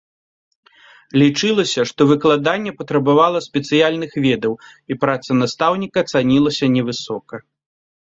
Лічылася, што выкладанне патрабавала спецыяльных ведаў, і праца настаўніка цанілася невысока.